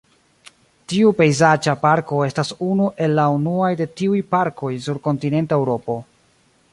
Tiu pejzaĝa parko estas unu el la unuaj de tiuj parkoj sur kontinenta Eŭropo.